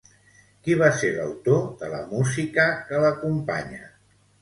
Qui va ser l'autor de la música que l'acompanya?